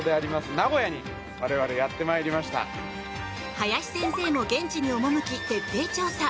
林先生も現地に赴き徹底調査。